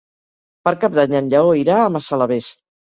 Per Cap d'Any en Lleó irà a Massalavés.